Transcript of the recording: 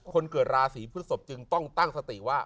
คนเกิดราศีพฤศพจึงต้องตั้งสติว่า